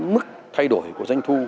mức thay đổi của danh thu